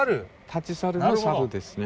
立ち去るの「さる」ですね。